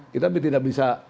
kita tidak bisa